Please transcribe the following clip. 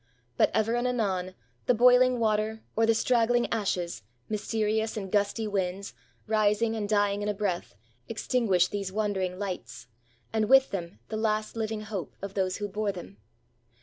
But ever and anon, the boiling water, or the strag gling ashes, mysterious and gusty winds, rising and dying in a breath, extinguished these wandering fights, and with them the last living hope of those who bore them.